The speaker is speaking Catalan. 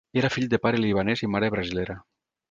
Era fill de pare libanès i mare brasilera.